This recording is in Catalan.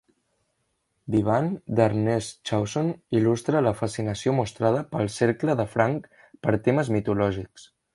"Vivane" d'Ernest Chausson il·lustra la fascinació mostrada pel cercle de Franck per temes mitològics.